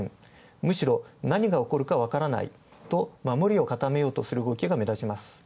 むしろ何が起こるかわからないと守りを固める動きが目立ちます。